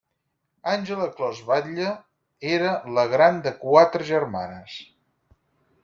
Àngela Clos Batlle, era la gran de quatre germanes.